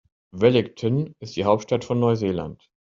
Wellington ist die Hauptstadt von Neuseeland.